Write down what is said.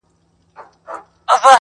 • و تاته چا زما غلط تعريف کړی و خدايه.